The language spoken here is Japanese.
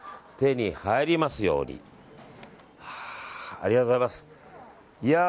ありがとうございます。